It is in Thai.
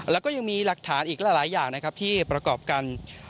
แล้วก็ยังมีหลักฐานอีกหลายอย่างนะครับที่ประกอบกัน